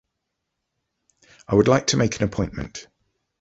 I would like to make an appointment.